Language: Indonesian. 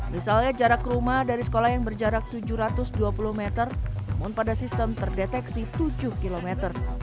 misalnya jarak rumah dari sekolah yang berjarak tujuh ratus dua puluh meter namun pada sistem terdeteksi tujuh kilometer